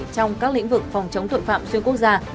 trong các lĩnh vực phòng chống tội phạm xuyên quốc gia